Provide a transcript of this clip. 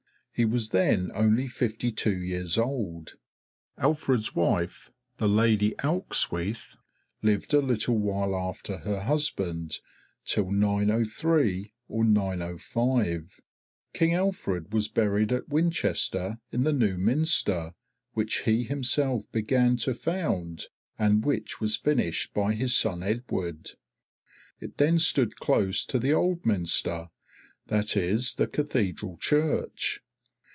He was then only fifty two years old. Alfred's wife, the Lady Ealhswyth, lived a little while after her husband, till 903 or 905. King Alfred was buried at Winchester in the New Minster which he himself began to found and which was finished by his son Edward. It then stood close to the Old Minster, that is, the cathedral church.